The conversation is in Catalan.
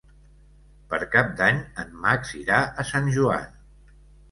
Per Cap d'Any en Max irà a Sant Joan.